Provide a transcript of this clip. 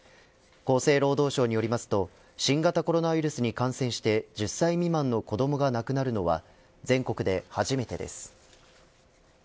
厚生労働省によりますと新型コロナウイルスに感染して１０歳未満の子どもが亡くなるのは全国で初めてです。